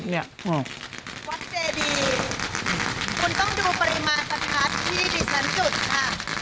วัดเจดีคุณต้องดูปริมาณประทัดที่ดิฉันจุดค่ะ